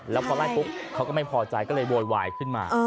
แล้วพอไล่ปุ๊บเขาก็ไม่พอใจก็เลยโวยวายขึ้นมา